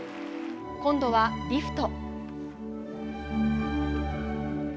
今度はリフト。